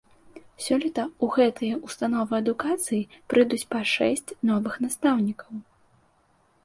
Сёлета ў гэтыя ўстановы адукацыі прыйдуць па шэсць новых настаўнікаў.